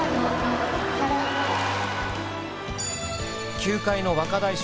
球界の若大将